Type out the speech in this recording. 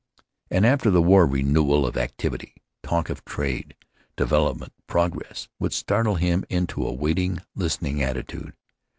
An after the war renewal of activity, talk of trade, development, progress, would startle him into a waiting, listening attitude.